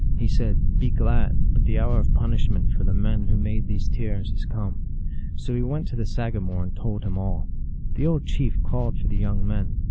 He said, " Be glad, but the hour of punishment for the men who made these tears is come." So he went to the sagamore and told him all. The old chief called for the young men.